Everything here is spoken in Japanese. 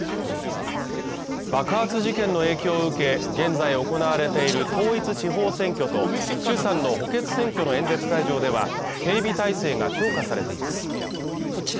爆発事件の影響を受け、現在行われている統一地方選挙と衆参の補欠選挙の演説会場では、警備態勢が強化されています。